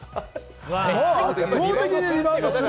圧倒的にリバウンドする。